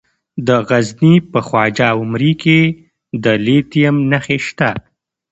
د غزني په خواجه عمري کې د لیتیم نښې شته.